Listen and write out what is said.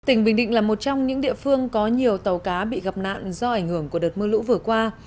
tỉnh bình định là một trong những địa phương có nhiều tàu cá bị gặp nạn do ảnh hưởng của đợt mưa lũ vừa qua